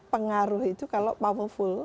pengaruh itu kalau powerful